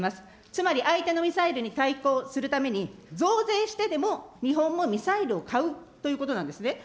つまり相手のミサイルに対抗するために、増税してでも日本もミサイルを買うということなんですね。